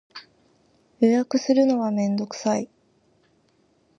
予約するのはめんどくさい